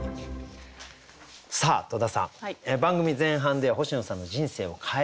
さあ戸田さん番組前半で星野さんの人生を変えた俳句